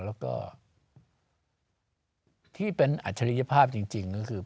แล้วก็ที่เป็นอัจฉริยภาพจริงก็คือ